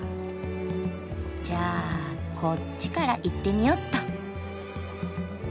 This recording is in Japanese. じゃあこっちから行ってみようっと。